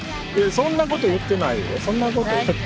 そんなこと言ってない別に。